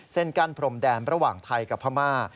เส้นกั้นพรมแดนระหว่างไทยกับพม่า